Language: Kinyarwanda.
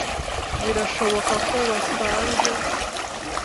birashoboka ko basaze